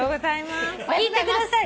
聞いてください」